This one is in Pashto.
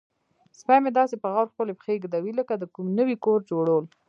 سپی مې داسې په غور خپلې پښې ږدوي لکه د کوم نوي کور جوړول.